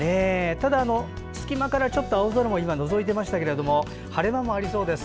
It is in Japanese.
ただ、隙間から青空も今のぞいてましたけれども晴れ間もありそうです。